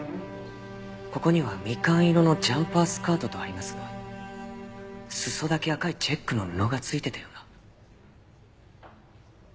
ここにはみかん色のジャンパースカートとありますが裾だけ赤いチェックの布が付いてたような。